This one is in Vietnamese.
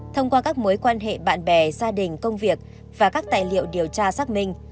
thông qua các mối quan hệ bạn bè gia đình công việc và các tài liệu điều tra xác minh